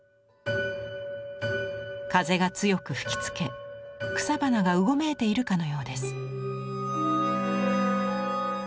風が強く吹きつけ草花がうごめいているかのようです。